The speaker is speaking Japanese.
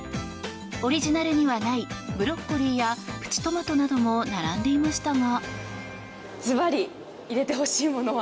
オリジナルにはないブロッコリーやプチトマトなども並んでいましたが。